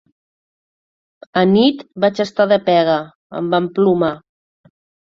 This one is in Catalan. Anit vaig estar de pega: em van plomar.